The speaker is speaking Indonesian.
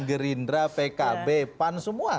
gerindra pkb pan semua